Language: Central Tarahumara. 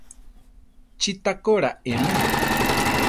Chí takóla eme.